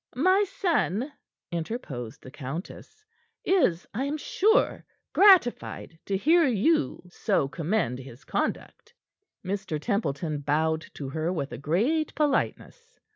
"My son," interposed the countess, "is, I am sure, gratified to hear you so commend his conduct." Mr. Templeton bowed to her with a great politeness.